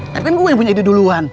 tapi kan gue yang punya ide duluan